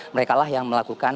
mereka yang melakukan